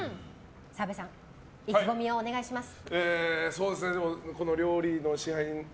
澤部さん意気込みをお願いします。